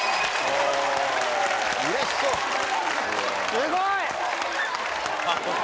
すごい！